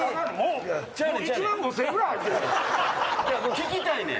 聞きたいねん！